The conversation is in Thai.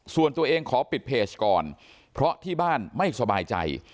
ส่วนตัวเองขอปิดเพจก่อนเพราะที่บ้านไม่สบายใจ